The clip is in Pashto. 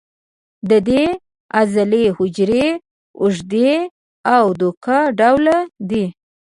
د دې عضلې حجرې اوږدې او دوک ډوله دي.